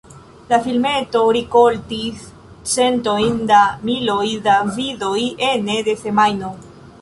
La filmeto rikoltis centojn da miloj da vidoj ene de semajno.